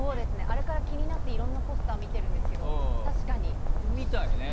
あれから気になっていろんなポスターを見ているんですけどみたいね。